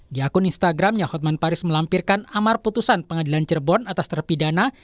di akun instagramnya hotman paris melampirkan amar putusan pengadilan cirebon atas terpidana